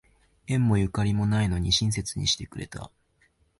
縁もゆかりもないのに親切にしてくれた